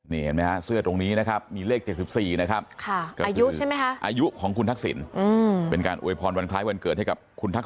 นี่เห็นมั้ยฮะเสื้อตรงนี้นะครับมีเลข๗๔นะครับ